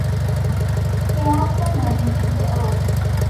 He also managed the aus.